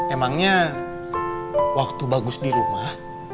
emangnya waktu bagus di rumah